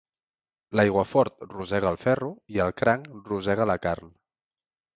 L'aiguafort rosega el ferro i el cranc rosega la carn.